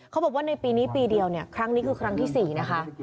เขาบอกว่าในปีนี้ปีเดียวเนี่ยครั้งนี้คือครั้งที่๔นะคะ